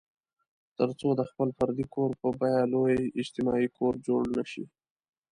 تر څو د خپل فردي کور په بیه لوی اجتماعي کور جوړ نه شي.